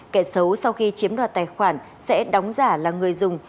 kẻ xấu sau khi chiếm đoạt tài khoản sẽ đóng giả là người dùng